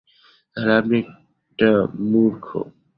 তাহলে আপনি একটা মূর্খ!